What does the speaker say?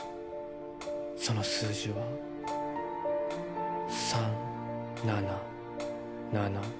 その数字は３７７６。